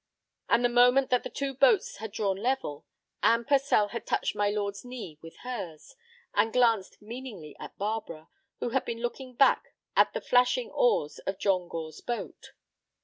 And the moment that the two boats had drawn level, Anne Purcell had touched my lord's knee with hers and glanced meaningly at Barbara, who had been looking back at the flashing oars of John Gore's boat.